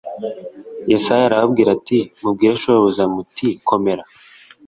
yesaya arababwira ati mubwire shobuja muti komera